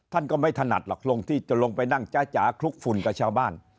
ท่านก็ไม่ถนัดหรอกลงที่จะลงไปนั่งจ้าจ๋าคลุกฝุ่นกับชาวบ้าน